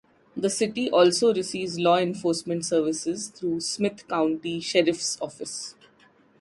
The City also receives law enforcement services through Smith County Sheriff's Office.